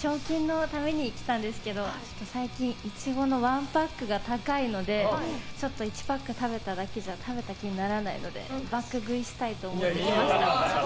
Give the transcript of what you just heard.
賞金のためにきたんですけど最近、イチゴの１パックが高いので、１パック食べただけじゃ食べた気にならないので爆食いしたいと思いました。